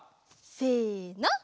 せの。